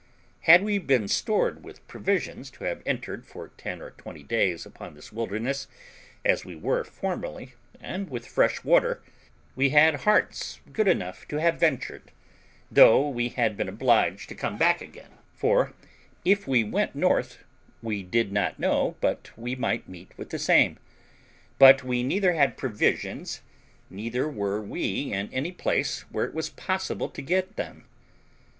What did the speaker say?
Had we been stored with provisions to have entered for ten or twenty days upon this wilderness, as we were formerly, and with fresh water, we had hearts good enough to have ventured, though we had been obliged to come back again, for if we went north we did not know but we might meet with the same; but we neither had provisions, neither were we in any place where it was possible to get them.